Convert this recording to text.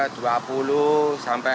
ya dua puluh sampai empat puluh